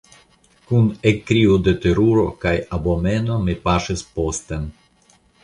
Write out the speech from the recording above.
Kun ekkrio de teruro kaj abomeno mi paŝis posten.